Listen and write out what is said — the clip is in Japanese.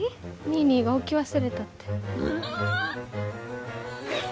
ニーニーが置き忘れたって。